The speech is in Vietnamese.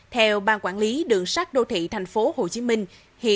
theo ban quản lý đường sát đô thị thành phố hồ chí minh